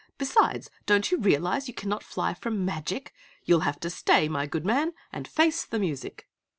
Besides, don't you realize you cannot fly from magic! You'll have to stay, my good man, and face the music!"